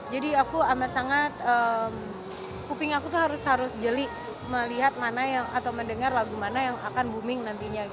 jadi aku amat sangat kuping aku tuh harus jeli melihat mana yang atau mendengar lagu mana yang akan booming nantinya